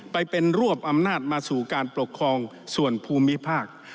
ไปเป็นรวบอำนาจมาสู่การปกครองส่วนภูมิภาค